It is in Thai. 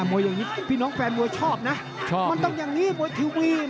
มวยอย่างนี้พี่น้องแฟนมวยชอบนะมันต้องอย่างนี้มวยทีวี